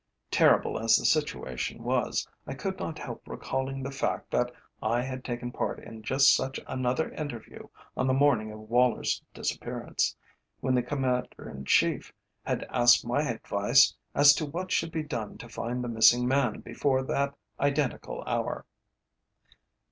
Terrible as the situation was, I could not help recalling the fact that I had taken part in just such another interview on the morning of Woller's disappearance, when the Commander in Chief had asked my advice as to what should be done to find the missing man before that identical hour.